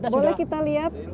boleh kita lihat